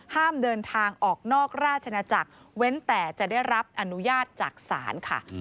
ห้ามเดินทางออกนอกราชนาจักรเว้นแต่จะได้รับอนุญาตจากศาลค่ะ